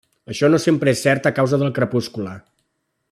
Això no sempre és cert a causa del crepuscle.